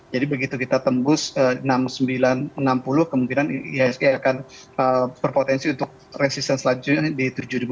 jadi begitu kita tembus enam sembilan ratus enam puluh kemungkinan iasg akan berpotensi untuk resisten selanjutnya di tujuh satu ratus dua puluh